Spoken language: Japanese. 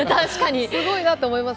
すごいなと感じます。